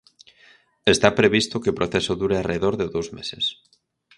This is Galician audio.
Está previsto que o proceso dure arredor de dous meses.